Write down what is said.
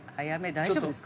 大丈夫ですか？